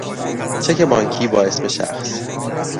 چک بانکی با اسم شخص